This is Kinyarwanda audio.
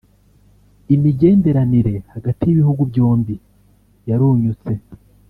Imigenderanire hagati y'ibihugu vyombi yarunyutse